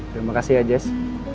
terima kasih ya jess